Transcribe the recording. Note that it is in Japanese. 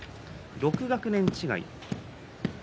６学年違いです。